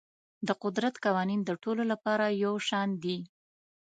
د قدرت قوانین د ټولو لپاره یو شان دي.